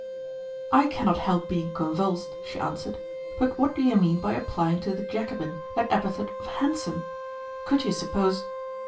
"I cannot help being convulsed," she answered, "but what do you mean by applying to the Jacobin that epithet of handsome? Could you suppose